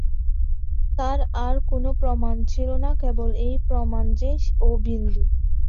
তার আর কোনো প্রমাণ ছিল না কেবল এই প্রমাণ যে, ও বিন্দু।